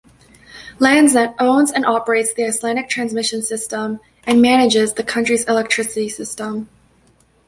Landsnet owns and operates the Icelandic transmission system and manages the country's electricity system.